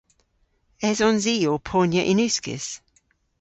Esons i ow ponya yn uskis?